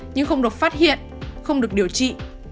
nhưng không được phát hiện không được điều trị